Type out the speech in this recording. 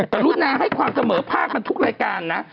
กรุณาให้ความเสมอภาคมันทุกรายการนะ